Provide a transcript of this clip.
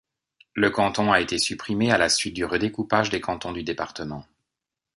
Le canton a été supprimé à la suite du redécoupage des cantons du département.